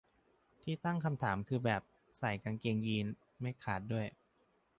ที่ตั้งคำถามคือแบบ ใส่กางเกงยีนส์ไม่ขาดด้วย